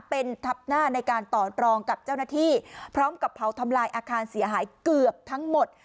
เป็นทับหน้าในการต่อรองกับเจ้าหน้าที่พร้อมกับเผาทำลายอาคารเสียหายเกือบทั้งหมด